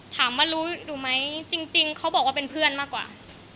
ถามว่ารู้อยู่ไหมจริงเขาบอกว่าเป็นเพื่อนมากกว่า